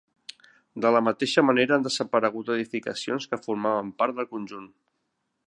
De la mateixa manera han desaparegut edificacions que formaven part del conjunt.